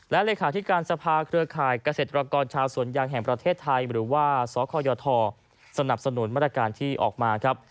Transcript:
และเลขาธิการสภาเครือข่ายเกษตรกรชาวสวนยางแห่งประเทศไทยหรือว่าสคยทสนับสนุนมาตรการที่ออกมาครับ